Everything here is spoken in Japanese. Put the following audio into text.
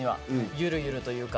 ゆるゆるというか。